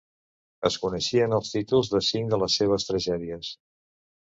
Es coneixen els títols de cinc de les seves tragèdies.